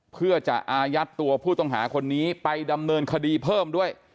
เพื่อจะอายัดตัวผู้ต้องหาคนนี้ไปดำเนินคดีเพิ่มด้วย